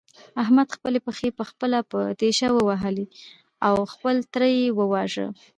احمد خپلې پښې په خپله په تېشه ووهلې او خپل تره يې وواژه.